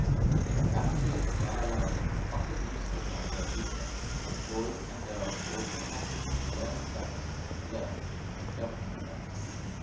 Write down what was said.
The attitude of a Galileo is often a useful one for a teacher, because boys and girls ought in matters that concern themselves to learn how to govern themselves.